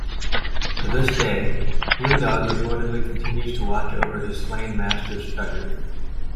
To this day, Blue Dog reportedly continues to watch over his slain master's treasure.